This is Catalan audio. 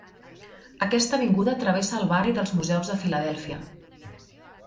Aquesta avinguda travessa el barri dels museus de Filadèlfia.